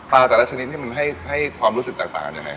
ปลาแต่ละชนิดที่มันให้ความรู้สึกต่างอย่างไร